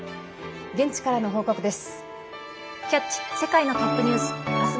現地からの報告です。